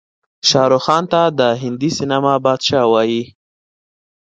شاروخ خان ته د هندي سينما بادشاه وايې.